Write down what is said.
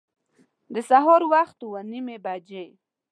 د سهار په وخت اوه نیمي بجي